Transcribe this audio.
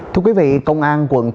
thưa quý vị công an quận tân sơn